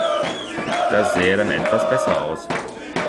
Das sähe dann etwas besser aus.